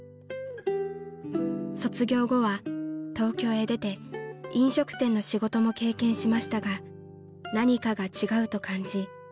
［卒業後は東京へ出て飲食店の仕事も経験しましたが何かが違うと感じ